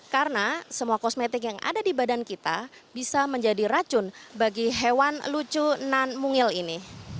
karena semua kosmetik yang ada di badan kita bisa menjadi racun bagi hewan lucu nan mungil ini